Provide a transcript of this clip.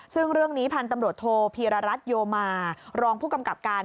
ซึ่งเรื่องนี้พันธุ์ตำรวจโทพีรรัฐโยมารองผู้กำกับการ